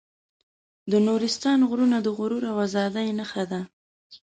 د نورستان غرونه د غرور او ازادۍ نښه ده.